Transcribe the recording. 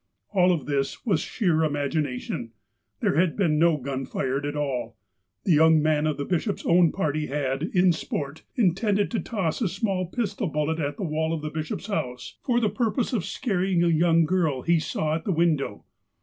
All of this was sheer imagination. There had been no I gun fired at all. A young man of the bishop's own party ! had, in sport, intended to toss a small pistol bullet at the wall of the bishop's house, for the purpose of scaring a 278 THE APOSTLE OF ALASKA youDg girl he saw at a window.